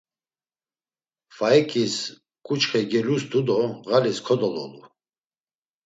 Faiǩis ǩuçxe gelustu do ğalis kodololu.